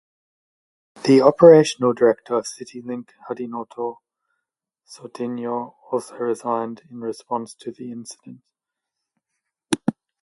The operational director of Citilink, Hadinoto Soedigno, also resigned in response to the incident.